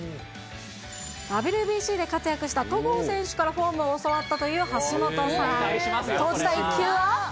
ＷＢＣで活躍した戸郷選手からフォームを教わったという橋本さん。